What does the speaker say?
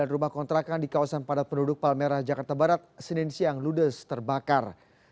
sembilan rumah kontrakan di kawasan padat penduduk palmerah jakarta barat senin siang ludes terbakar